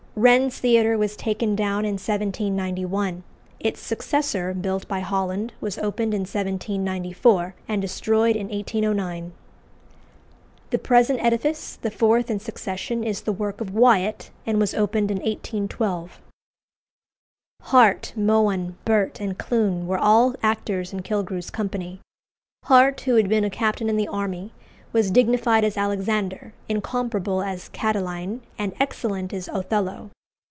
Wren's theatre was taken down in 1791; its successor, built by Holland, was opened in 1794, and destroyed in 1809. The present edifice, the fourth in succession, is the work of Wyatt, and was opened in 1812. Hart, Mohun, Burt, and Clun were all actors in Killigrew's company. Hart, who had been a captain in the army, was dignified as Alexander, incomparable as Catiline, and excellent as Othello.